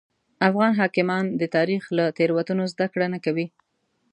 افغان حاکمان د تاریخ له تېروتنو زده کړه نه کوي.